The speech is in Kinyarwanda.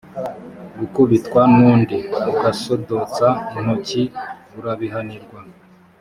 gukubitwa n’undi, ugasodotsa intoki urabihanirwa,